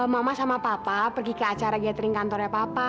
mama sama papa pergi ke acara gathering kantornya papa